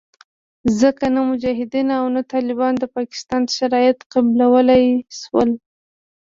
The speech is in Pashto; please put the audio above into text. ځکه نه مجاهدینو او نه طالبانو د پاکستان شرایط قبلولې شول